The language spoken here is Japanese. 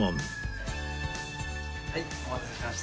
はいお待たせしました。